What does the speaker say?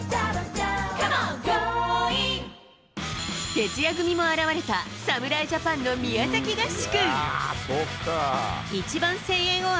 徹夜組も現れた侍ジャパンの宮崎合宿。